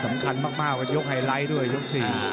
สำคัญมากว่ายกไฮไลท์ด้วยยก๔